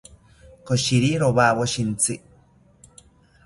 Koshiri rowawo shintzi